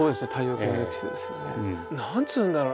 何つうんだろう